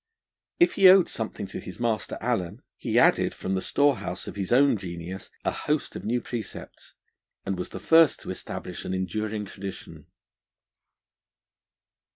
If he owed something to his master, Allen, he added from the storehouse of his own genius a host of new precepts, and was the first to establish an enduring tradition.